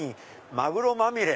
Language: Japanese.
マグロまみれ」。